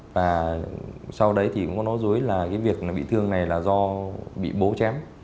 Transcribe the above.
và sau đấy thì cũng có nói dối là cái việc bị thương này là do bị bố chém